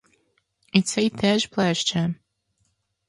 І цей те ж плеще!